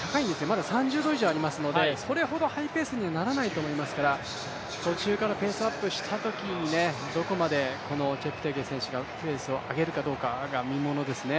まだ３０度以上ありますので、それほどハイペースにはならないと思いますから途中からペースアップしたときに、どこまでチェプテゲイ選手がペースを上げるかどうかが見ものですね。